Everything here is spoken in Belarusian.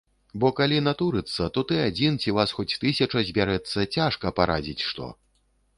Бо калі натурыцца, то ты адзін ці вас хоць тысяча збярэцца, цяжка парадзіць што.